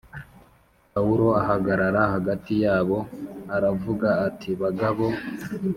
Pawulo ahagarara hagati yabo e aravuga ati bagabo